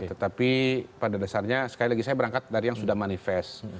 tetapi pada dasarnya sekali lagi saya berangkat dari yang sudah manifest